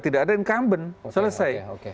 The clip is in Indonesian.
tidak ada incumbent selesai